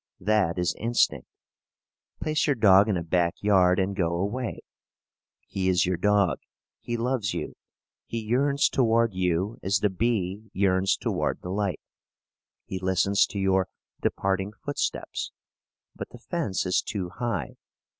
That is instinct. Place your dog in a back yard and go away. He is your dog. He loves you. He yearns toward you as the bee yearns toward the light. He listens to your departing footsteps. But the fence is too high.